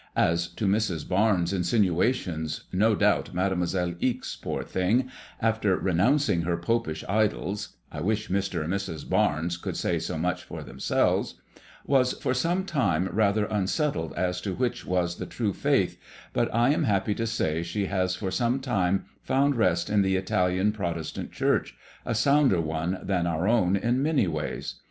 As to Mrs. « MADBMOISXLLK IXB. 63 Barnes' insinuations, no doubt Mademoiselle Ixe, poor thing, after renouncing her popish idols (I wish Mn and Mrs. Barnes could say so much for them selves), was for some time rather unsettled as to which was the true faith, but I am happy to say she has for some time found rest in the Italian Protestant Church, a sounder one than our own in many ways.